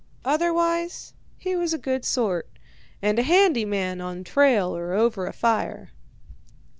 Otherwise he was a good sort, and a handy man on trail or over a fire.